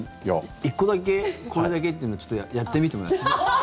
１個だけこれだけというのちょっとやってみてもらって。